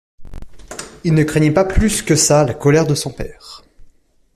Il ne craignait pas plus que ça la colère de son père.